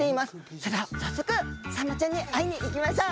それでは早速、サンマちゃんに会いに行きましょう。